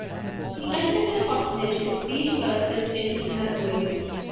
He entered the cottage with these verses in his memory.